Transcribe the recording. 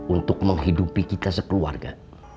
untuk menghidupi kita sekeluarga